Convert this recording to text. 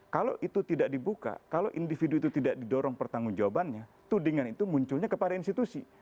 kalau itu tidak dibuka kalau individu itu tidak didorong pertanggung jawabannya tudingan itu munculnya kepada institusi